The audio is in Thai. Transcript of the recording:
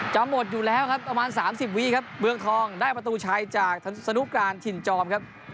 จะหมดอยู่แล้วครับประมาณ๓๐วีครับเมืองทองได้ประตูชัยจากสนุกการถิ่นจอมครับ